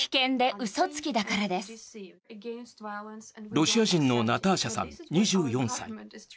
ロシア人のナターシャさん、２４歳。